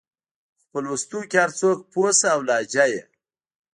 خو په لوستو کې هر څوک پوه شه او لهجه يې